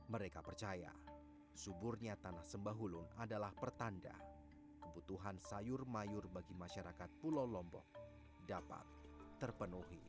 mereka percaya suburnya tanah sembahulun adalah pertanda kebutuhan sayur mayur bagi masyarakat pulau lombok dapat terpenuhi